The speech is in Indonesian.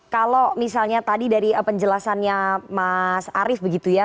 kalau misalnya tadi dari penjelasannya mas arief begitu ya